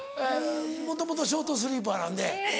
もともとショートスリーパーなんで。